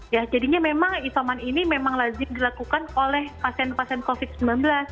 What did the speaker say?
ya jadinya memang isoman ini memang lazim dilakukan oleh pasien pasien covid sembilan belas